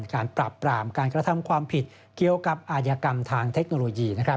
การปราบปรามการกระทำความผิดเกี่ยวกับอาชญากรรมทางเทคโนโลยี